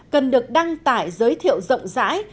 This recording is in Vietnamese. cần được đăng tải giới thiệu rộng rãi